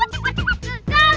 kurang maha aja nih anak anak